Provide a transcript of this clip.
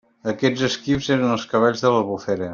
Aquests esquifs eren els cavalls de l'Albufera.